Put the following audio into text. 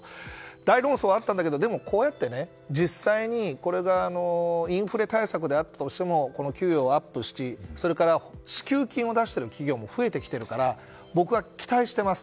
大論争があったんだけどこうやって実際にこれがインフレ対策であったとしても給与をアップしたりそれから支給金を出している企業も増えているから僕は期待しています。